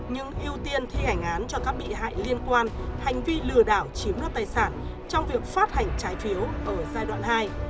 nhưng ưu tiên thi hành án cho các bị hại liên quan hành vi lừa đảo chiếm đoạt tài sản trong việc phát hành trái phiếu ở giai đoạn hai